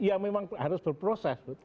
ya memang harus berproses